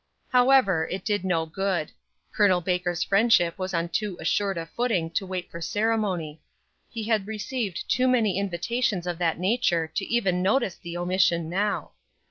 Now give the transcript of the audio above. However, it did no good. Col. Baker's friendship was on too assured a footing to wait for ceremony. He had received too many invitations of that nature to even notice the omission now.